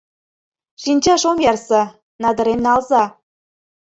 — Шинчаш ом ярсе... надырем налза...